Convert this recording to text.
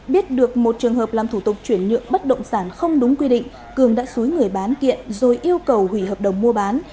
biết được một trường hợp làm thủ tục chuyển nhượng bất động sản không đúng quy định cường đã xúi người bán kiện rồi yêu cầu hủy hợp đồng mua bán